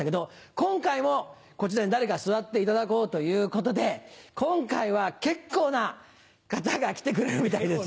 今回もこちらに誰か座っていただこうということで今回は結構な方が来てくれるみたいですよ。